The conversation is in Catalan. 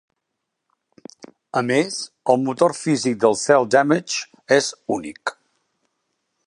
A més, el motor físic de "Cel Damage" és únic.